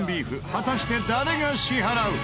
果たして誰が支払う？